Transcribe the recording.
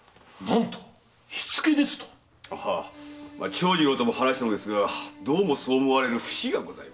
長次郎とも話したのですがどうもそう思われる節がございます。